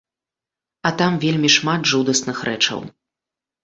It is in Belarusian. А там вельмі шмат жудасных рэчаў.